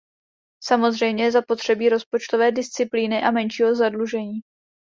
Samozřejmě je zapotřebí rozpočtové disciplíny a menšího zadlužení.